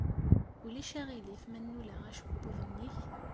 Ulac aɣilif ma nnuleɣ acebbub-nnek?